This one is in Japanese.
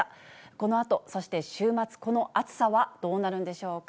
このあと、そして週末、この暑さはどうなるんでしょうか。